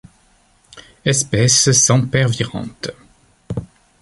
Espèce sempervirente.